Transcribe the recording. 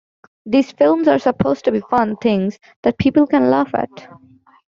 These films are supposed to be fun things that people can laugh at.